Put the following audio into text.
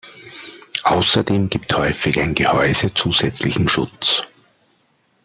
Außerdem gibt häufig ein Gehäuse zusätzlichen Schutz.